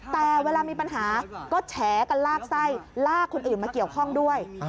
แต่เวลามีปัญหาก็แฉกันลากไส้ลากคนอื่นมาเกี่ยวข้องด้วย